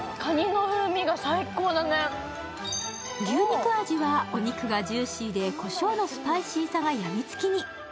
牛肉味はお肉がジューシーでこしょうのスパイシーさがやみつきに。